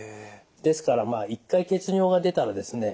ですから一回血尿が出たらですね